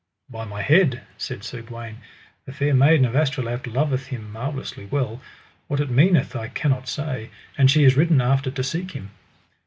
By my head, said Sir Gawaine, the Fair Maiden of Astolat loveth him marvellously well; what it meaneth I cannot say, and she is ridden after to seek him.